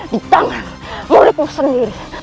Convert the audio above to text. di tangan muridmu sendiri